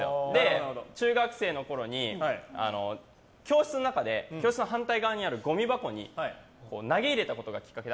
中学生のころに教室の中で教室の反対側にあるごみ箱に投げ入れたことがきっかけで。